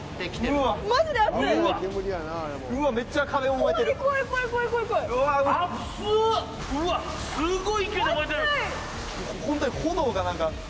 うわっすごい勢いで燃えてる。